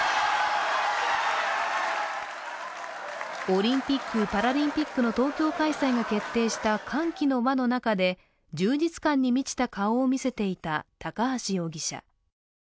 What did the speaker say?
オリンピック・パラリンピックの東京開催が決定した歓喜の輪の中で充実感に満ちた顔を見せていた高橋容疑者。